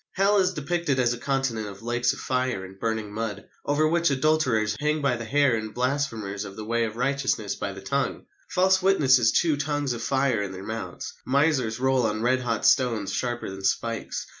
Hell is depicted as a continent of lakes of fire and burning mud, over which adulterers hang by the hair and blasphemers of the way of righteousness by the tongue. False witnesses chew tongues of fire in their mouths. Misers roll on red hot stones sharper than spikes.